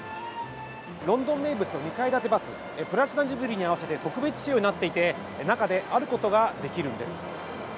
ロンドン名物の２階建てバス、プラチナ・ジュビリーに合わせて特別仕様になっていて、中であることができるんです。